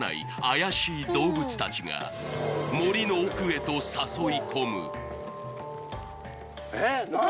怪しいどうぶつたちが森の奥へと誘い込むえっ何？